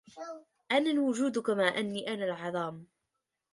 أنا الوجود كما أني أنا العدم